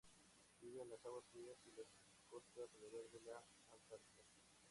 Vive en las aguas frías y las costas alrededor de la Antártida.